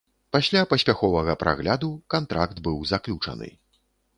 Пасля паспяховага прагляду, кантракт быў заключаны.